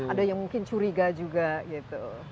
ada yang mungkin curiga juga gitu